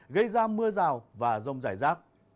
gây ra mưa rào và rông rải rác